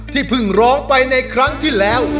เพิ่งร้องไปในครั้งที่แล้ว